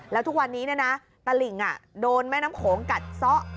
แล้วทุกวันนี้ตลิ่งโดนแม่น้ำโขงกัดซะ